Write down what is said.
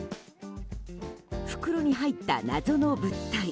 袋に入った謎の物体。